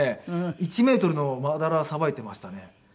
１メートルの真ダラさばいていましたね。